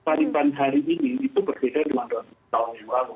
taliban hari ini itu berbeda dengan tahun yang lalu